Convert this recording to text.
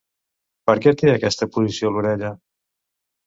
Per què té aquesta posició l'orella?